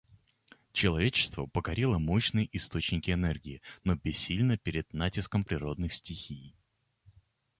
Человечество покорило мощные источники энергии, но бессильно перед натиском природных стихий.